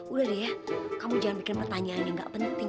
udah deh ya kamu jangan bikin pertanyaan yang gak penting